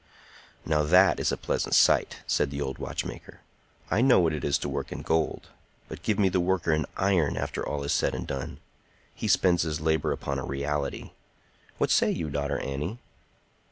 "Now, that is a pleasant sight," said the old watchmaker. "I know what it is to work in gold; but give me the worker in iron after all is said and done. He spends his labor upon a reality. What say you, daughter Annie?"